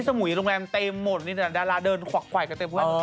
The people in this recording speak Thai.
ตอนนี้สมุยโรงแรมเต็มหมดดาราเดินขวักไขว่กับเต็มเพื่อน